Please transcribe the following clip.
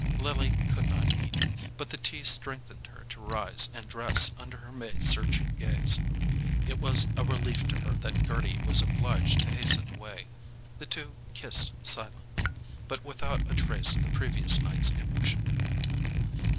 Lily could not eat; but the tea strengthened her to rise and dress under her maid's searching gaze. It was a relief to her that Gerty was obliged to hasten away: the two kissed silently, but without a trace of the previous night's emotion.